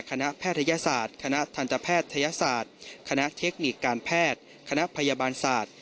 แพทยศาสตร์คณะทันตแพทยศาสตร์คณะเทคนิคการแพทย์คณะพยาบาลศาสตร์